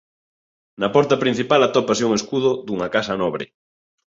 Na porta principal atópase un escudo dunha casa nobre.